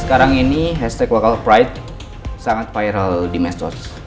sekarang ini hashtag local pride sangat viral di mestos